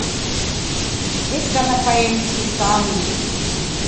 Вес гана каен, пустаҥын.